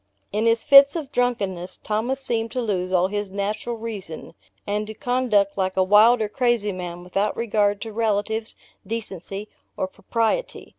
In his fits of drunkenness, Thomas seemed to lose all his natural reason, and to conduct like a wild or crazy man, without regard to relatives, decency or propriety.